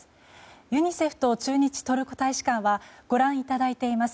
ユニセフと駐日トルコ大使館はご覧いただいています